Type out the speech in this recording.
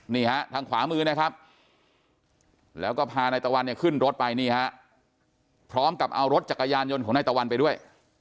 นี่ฮะทางขวามือนะครับแล้วก็พานายตะวันเนี่ยขึ้นรถไปนี่ฮะพร้อมกับเอารถจักรยานยนต์ของนายตะวันไปด้วย